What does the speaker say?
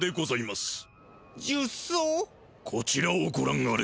こちらをごらんあれ。